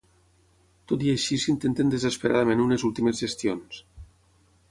Tot i així s'intenten desesperadament unes últimes gestiones.